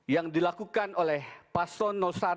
yang dilakukan oleh paslon satu